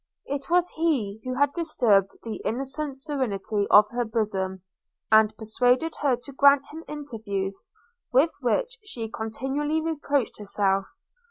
It was he who had disturbed the innocent serenity of her bosom – and persuaded her to grant him interviews, with which she continually reproached herself.